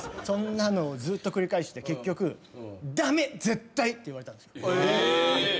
そんなのをずっと繰り返して結局「駄目絶対」って言われたんですよ。